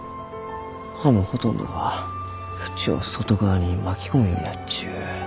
葉のほとんどが縁を外側に巻き込むようになっちゅう。